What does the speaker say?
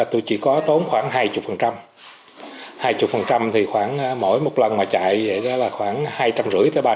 tôi chỉ có tốn khoảng hai mươi hai mươi thì khoảng mỗi một lần mà chạy vậy đó là khoảng hai trăm linh rưỡi tới ba trăm linh